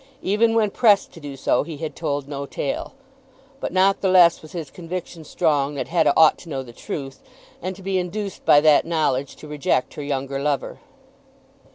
Even when pressed to do so he had told no tale. But not the less was his conviction strong that Hetta ought to know the truth, and to be induced by that knowledge to reject her younger lover.